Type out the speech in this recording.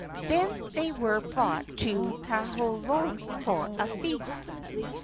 Then they were brought to Kaholo for a feast.